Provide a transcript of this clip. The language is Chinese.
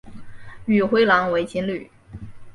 与灰狼为情侣。